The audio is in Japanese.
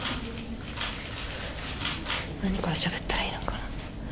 何からしゃべったらいいのかな。